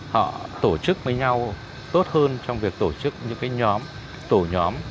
họ tổ chức với nhau tốt hơn trong việc tổ chức những nhóm tổ nhóm